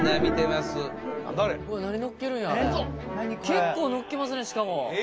結構のっけますねしかも。